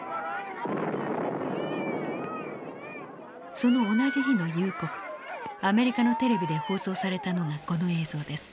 その同じ日の夕刻アメリカのテレビで放送されたのがこの映像です。